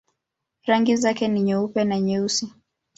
Rangi zake ni nyeupe na nyeusi.